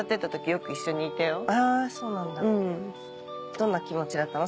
どんな気持ちだったの？